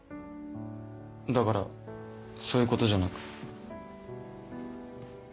だからそういうことじゃなく。